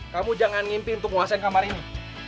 kamu jangan mimpi untuk menguasai kamar ini